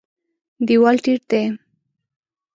دېوال ټیټ دی.